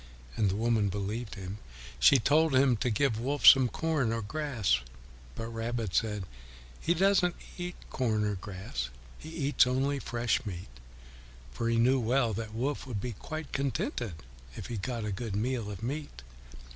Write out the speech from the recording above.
And the woman believed him. She told him to give Wolf some corn or grass. But Rabbit said, "He doesn't eat corn or grass; he eats only fresh meat," for he knew well that Wolf would be quite contented if he got a good meal of meat.